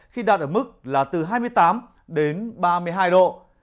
khi đạt ở mức là từ hai mươi tám đến ba mươi hai độ